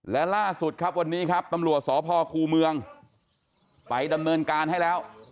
และล่าสุดครับวันนี้ครับตำรวจสพคูเมืองไปดำเนินการให้แล้ว